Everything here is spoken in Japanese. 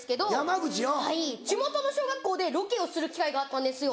はい地元の小学校でロケをする機会があったんですよ。